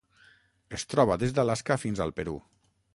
Es troba des d'Alaska fins al Perú.